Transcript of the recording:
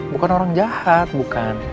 bukan orang jahat bukan